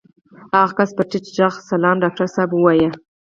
هغه کس په ټيټ غږ سلام ډاکټر صاحب ووايه.